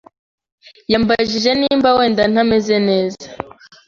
Yambajije niba wenda ntameze neza.